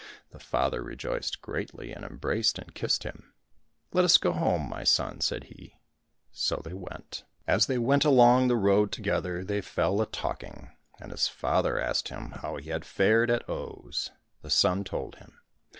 The father rejoiced greatly and embraced and kissed him. " Let us go home, my son !" said he. So they went. As they went along the road together they fell a talk ing, and his father asked him how he had fared at Oh's. The son told him.